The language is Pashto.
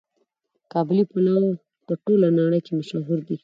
قابلي پلو په ټوله نړۍ کې مشهور دی.